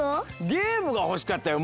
ゲームがほしかったよ。